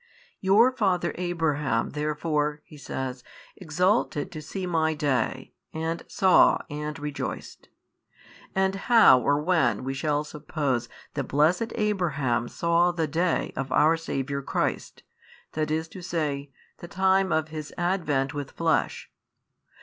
Your father Abraham therefore (He says) exulted to see My Day and saw and rejoiced. And how or when we shall suppose that blessed Abraham saw the Day of our Saviour Christ, i. e., the time of His Advent with flesh?